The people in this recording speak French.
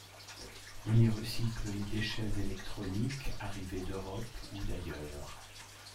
On y recycle les déchets électroniques arrivés d'Europe ou d'ailleurs.